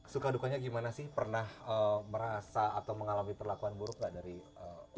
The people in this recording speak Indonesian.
suka dukanya gimana sih pernah merasa atau mengalami perlakuan buruk gak dari orang lain